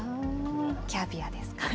キャビアですか。